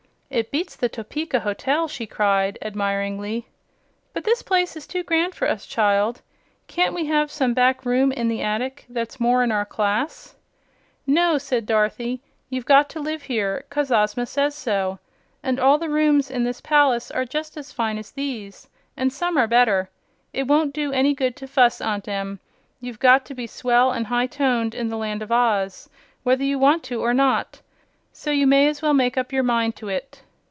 "It beats the Topeka Hotel!" she cried admiringly. "But this place is too grand for us, child. Can't we have some back room in the attic, that's more in our class?" "No," said Dorothy. "You've got to live here, 'cause Ozma says so. And all the rooms in this palace are just as fine as these, and some are better. It won't do any good to fuss, Aunt Em. You've got to be swell and high toned in the Land of Oz, whether you want to or not; so you may as well make up your mind to it."